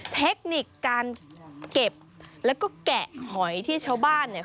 เทคนิคการเก็บแล้วก็แกะหอยที่ชาวบ้านเนี่ย